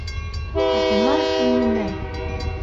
Атаман өңөнә.